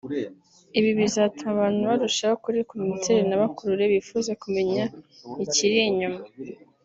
ibi bizatuma abantu barushaho kurikunda ndetse rinabakurure bifuze kumenya ikiri inyuma